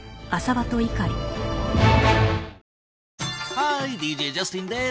ハーイＤＪジャスティンです。